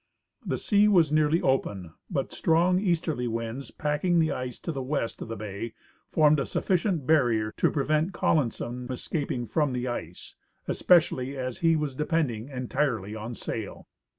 The sea was nearly open, but strong easterly winds, packing the ice to the west of the bay, formed a sufficient barrier to prevent Collinson escap ing from the ice, especially as he was depending entirely on sail.